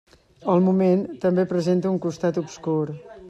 El moment també presenta un costat obscur.